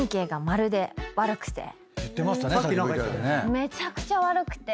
めちゃくちゃ悪くて。